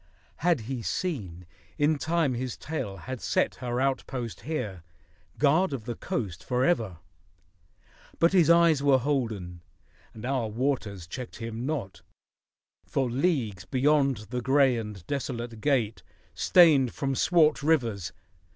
Had he seen, In time his tale had set her out post here, Guard of the coast forever. But his eyes Were holden, and our waters checked him not— 42 THE HOMING OF DRAKE For leagues beyond the grey and desolate Gate Stained from swart rivers